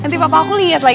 nanti papa aku liat lagi